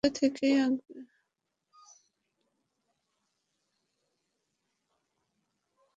এটা থেকেই আঁকবে?